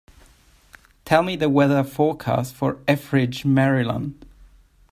Tell me the weather forecast for Ethridge, Maryland